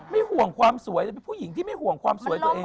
ห่วงความสวยแต่เป็นผู้หญิงที่ไม่ห่วงความสวยตัวเอง